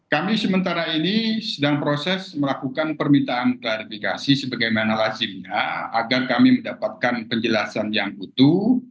kami sementara ini sedang proses melakukan permintaan klarifikasi sebagaimana lazimnya agar kami mendapatkan penjelasan yang utuh